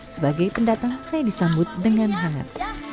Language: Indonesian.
sebagai pendata saya disambut dengan hangat